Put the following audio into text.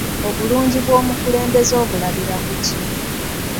Obulungi bw'omukulembeze obulabira ku ki?